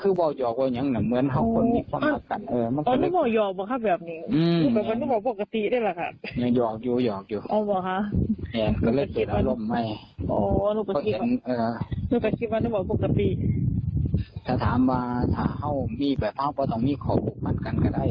เอ่อถ้าถามว่าถ้าเขามีแบบภาพว่าต้องมีขอปลูกพันกันก็ได้